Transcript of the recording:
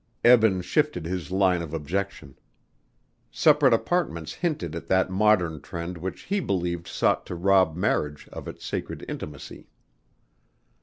Eben shifted his line of objection. Separate apartments hinted at that modern trend which he believed sought to rob marriage of its sacred intimacy.